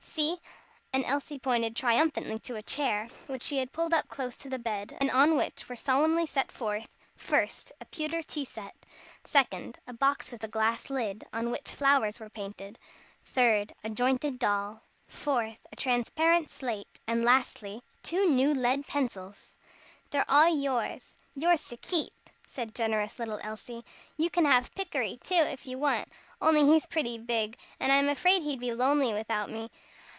See " and Elsie pointed triumphantly to a chair, which she had pulled up close to the bed, and on which were solemnly set forth: 1st. A pewter tea set; 2d. A box with a glass lid, on which flowers were painted; 3d. A jointed doll; 4th. A transparent slate; and lastly, two new lead pencils! "They're all yours yours to keep," said generous little Elsie. "You can have Pikery, too, if you want. Only he's pretty big, and I'm afraid he'd be lonely without me.